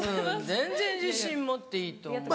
全然自信持っていいと思うわ。